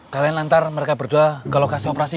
kalian nantar mereka berdua ke lukasi operasi